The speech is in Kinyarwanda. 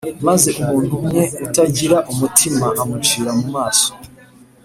maze umuntu umwe utagira umutima amucira mu maso